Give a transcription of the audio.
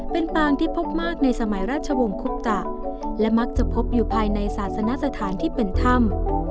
เป็นปางที่พบมากในสมัยราชวงศ์คุปตะและมักจะพบอยู่ภายในศาสนสถานที่เป็นถ้ำ